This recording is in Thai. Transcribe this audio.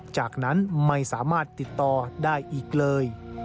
จากนั้นไม่สามารถติดต่อได้อีกเลย